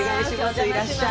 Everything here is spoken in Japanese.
いらっしゃい。